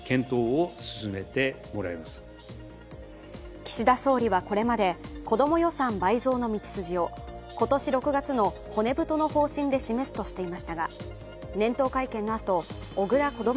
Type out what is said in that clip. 岸田総理はこれまで子供予算倍増の道筋を今年６月の骨太の方針で示すとしていましたが、年頭会見のあと、小倉こども